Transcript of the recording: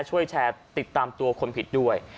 ช่วยแชร์ติดตามตัวคนผิดด้วย